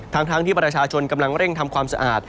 ทั้งที่ประชาชนกำลังเร่งทำความสะอาด